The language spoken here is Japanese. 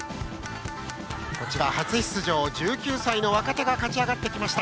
初出場、１９歳の若手が勝ち上がってきました。